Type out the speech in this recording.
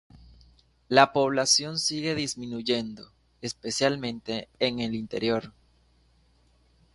La población sigue disminuyendo, especialmente en el interior.